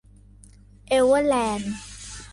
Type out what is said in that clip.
เอเวอร์แลนด์